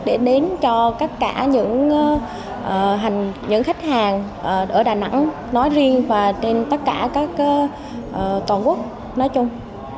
để đến cho tất cả những khách hàng ở đà nẵng nói riêng và trên tất cả các toàn quốc nói chung